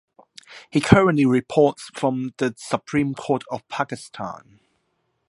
He currently reports from the Supreme Court of Pakistan.